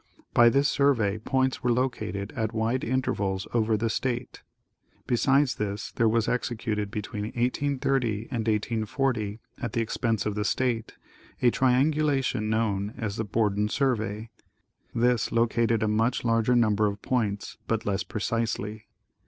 By this survey points were located at wide intervals over the state. Besides this there was executed between 1830 and 1840,, at the expense of the state, a triangulation known as the " Bor den Survey." This located a much larger number of points,, but less precisely.